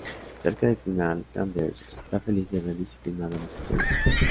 Cerca del final, Flanders está feliz de haber disciplinado a los estudiantes.